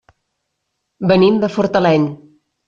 Venim de Fortaleny.